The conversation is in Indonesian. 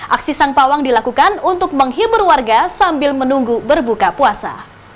aksi sang pawang dilakukan untuk menghibur warga sambil menunggu berbuka puasa